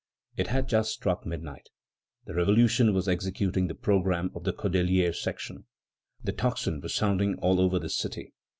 It had just struck midnight. The Revolution was executing the programme of the Cordeliers' section. The tocsin was sounding all over the city.